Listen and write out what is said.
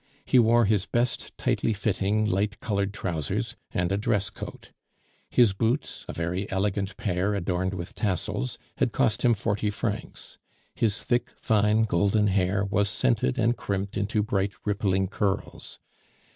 He wore his best tightly fitting, light colored trousers, and a dress coat. His boots, a very elegant pair adorned with tassels, had cost him forty francs. His thick, fine, golden hair was scented and crimped into bright, rippling curls.